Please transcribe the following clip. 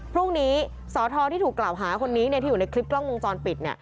พรุ่งนี้สทที่ถูกกล่าวหาคนนี้ที่อยู่ในคลิปกล้องวงจรปิด